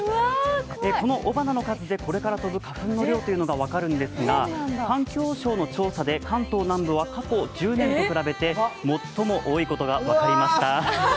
この雄花の数でこれから飛ぶ花粉の量が分かるんですが、環境省の調査で関東南部は過去１０年と比べて最も多いことが分かりました。